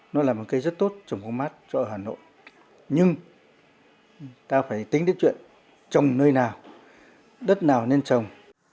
nhưng ta phải tính đến chuyện trồng nơi nào đất nào nên trồng